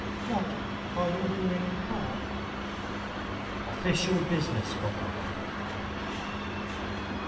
What are you doing here?' 'Official business, godmother.